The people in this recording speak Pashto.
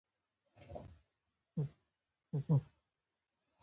د موبایل له لارې خبرې آسانه شوې دي.